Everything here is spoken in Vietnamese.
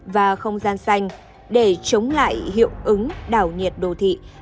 và không gian xanh để chống lại hiệu ứng đảo nhiệt đô thị